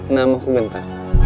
nama ku genta